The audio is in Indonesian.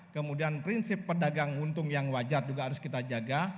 kemudian prinsip pedagang untung yang wajar juga harus kita jaga